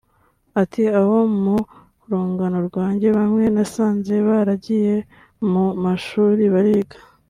Ati “Abo mu rungano rwanjye bamwe nasanze baragiye mu mashuri bariga